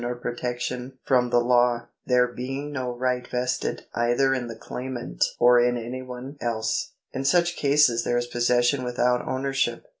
266 POSSESSION [§ 106 the law, there being no right vested either in the claimant or in any one else. In such cases there is possession without ownership.